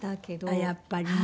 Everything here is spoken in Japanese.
あっやっぱりね。